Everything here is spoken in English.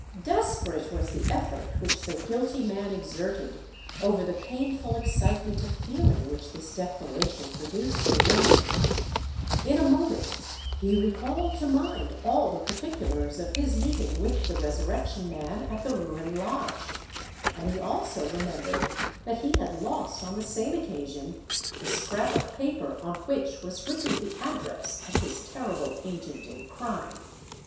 Desperate was the effort which the guilty man exerted over the painful excitement of feeling which this declaration produced within him:—in a moment he recalled to mind all the particulars of his meeting with the Resurrection Man at the ruined lodge; and he also remembered that he had lost on the same occasion the scrap of paper on which was written the address of his terrible agent in crime.